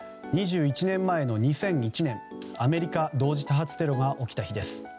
２１年前の２００１年アメリカ同時多発テロが起きた日です。